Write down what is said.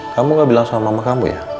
kamu gak bilang sama mama kamu ya